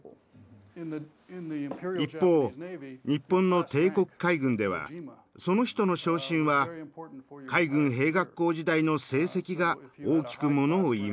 一方日本の帝国海軍ではその人の昇進は海軍兵学校時代の成績が大きく物を言いました。